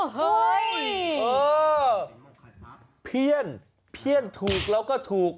โอ้โฮเออเพี้ยนเพี้ยนถูกเราก็ถูก